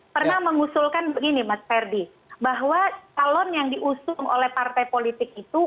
pernah mengusulkan begini mas ferdi bahwa calon yang diusung oleh partai politik itu